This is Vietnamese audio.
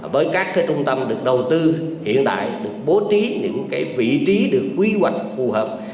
với các trung tâm được đầu tư hiện tại được bố trí những vị trí được quy hoạch phù hợp